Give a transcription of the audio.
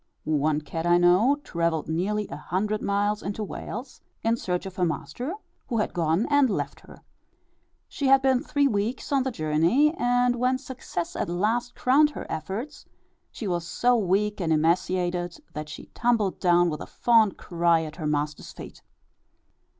One cat I know travelled nearly a hundred miles into Wales, in search of her master, who had gone and left her. She had been three weeks on the journey, and when success at last crowned her efforts, she was so weak and emaciated, that she tumbled down with a fond cry at her master's feet.